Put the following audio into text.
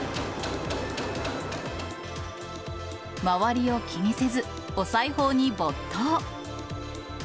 周りを気にせず、お裁縫に没頭。